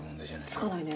つかないね。